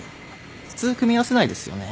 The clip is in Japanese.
普通組み合わせないですよね。